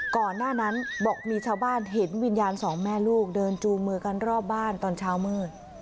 ก่อนหน้านั้นบอกมีชาวบ้านเห็นวิญญาณสองแม่ลูกเดินจูงมือกันรอบบ้านตอนเช้ามืด